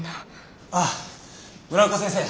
ああ村岡先生。